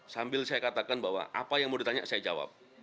sambil saya katakan bahwa apa yang mau ditanya saya jawab